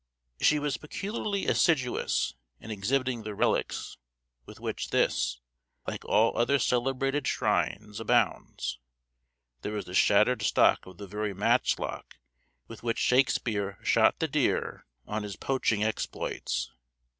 She was peculiarly assiduous in exhibiting the relics with which this, like all other celebrated shrines, abounds. There was the shattered stock of the very matchlock with which Shakespeare shot the deer on his poaching exploits.